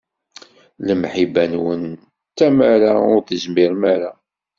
Lemḥiba-nwen d tamara, ur tezmirem ara.